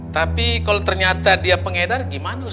tapi kalau ternyata dia pengedar bagaimana ustaz